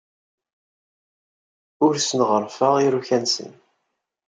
Ur asen-ɣerrfeɣ iruka-nsen.